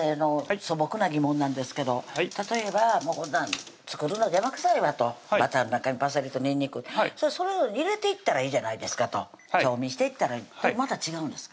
素朴な疑問なんですけど例えばこんなん作るの邪魔くさいわとバターの中にパセリとにんにくそれを入れていったらいいじゃないですかと調味していったらいいまた違うんですか？